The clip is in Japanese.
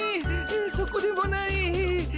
そこでもない。